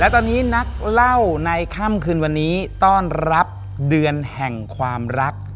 ตอนนี้นักเล่าในค่ำคืนวันนี้ต้อนรับเดือนแห่งความรัก